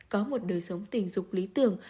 có một đời sống tình dục lý tưởng